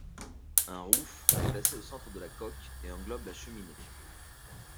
Un rouf est placé au centre de la coque et englobe la cheminée.